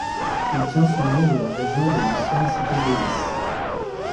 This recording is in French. Il tient son nom de la région de l'ancienne cité d'Élis.